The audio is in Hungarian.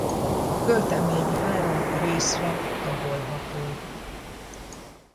A költemény három részre tagolható.